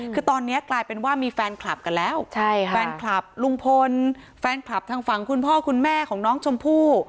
คือตอนนี้กลายเป็นว่ามีแฟนคลับกันแล้วแฟนคลับลุงพลแฟนคลับทางฝั่งคุณพ่อคุณแม่ของน้องชมพู่